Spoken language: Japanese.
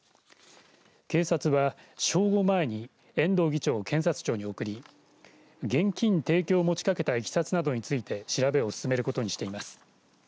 警察は正午前に遠藤議長を検察庁に送り現金提供を持ちかけたいきさつなどについて調べを進めることにしています。